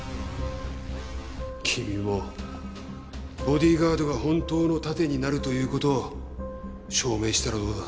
君もボディーガードが本当の盾になるという事を証明したらどうだ？